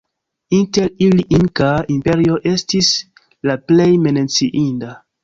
Inter ili Inkaa Imperio estis la plej menciinda.